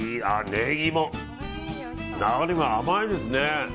ネギも周りが甘いですね。